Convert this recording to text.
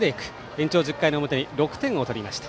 延長１０回の表に６点を取りました。